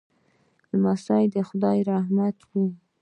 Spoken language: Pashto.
لمسی د خدای رحمت وي.